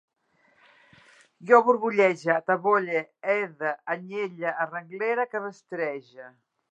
Jo borbollege, atabolle, aide, anyelle, arrenglere, cabestrege